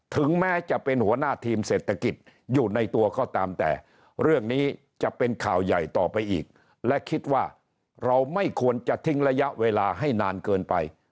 ถึงแม้จะเป็นหัวหน้าทีมเศรษฐกิจอยู่ในตัวก็ตามแต่เรื่องนี้จะเป็นข่าวใหญ่ต่อไปอีกและคิดว่าเราไม่ควรจะทิ้งระยะเวลาให้นานเกินไป